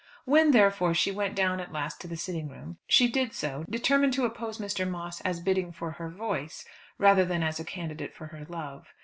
When, therefore, she went down at last to the sitting room, she did so, determined to oppose Mr. Moss, as bidding for her voice, rather than as a candidate for her love.